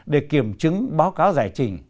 để kiểm chứng báo cáo giải chỉnh